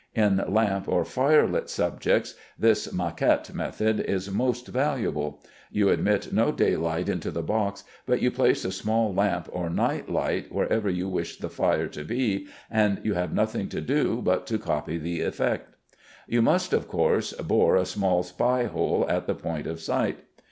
In lamp or fire lit subjects, this "maquette" method is most valuable. You admit no daylight into the box, but you place a small lamp or night light wherever you wish the fire to be, and you have nothing to do but to copy the effect. You must, of course, bore a small spy hole at the point of sight.